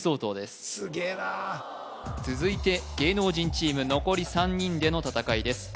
すげえな続いて芸能人チーム残り３人での戦いです